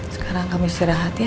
sekarang kamu istirahat ya